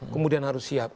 kemudian harus siap